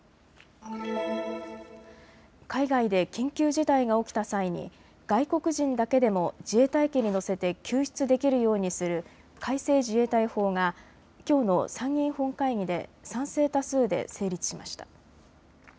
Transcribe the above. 海外で緊急事態が起きた際に外国人だけでも自衛隊機に乗せて救出できるようにする改正自衛隊法がきょうの参議院本会議で賛成多数で成立しました。